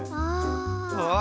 ああ。